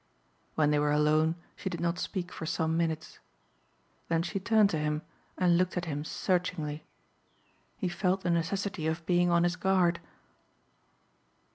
When they were alone she did not speak for some minutes. Then she turned to him and looked at him searchingly. He felt the necessity of being on his guard.